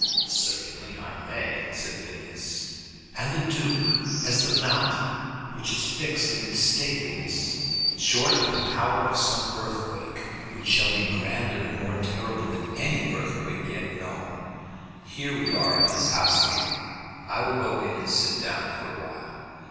"Certainly I may," said Phineas. "And the Duke, as the mountain, which is fixed in its stateliness, short of the power of some earthquake, which shall be grander and more terrible than any earthquake yet known. Here we are at the house again. I will go in and sit down for a while."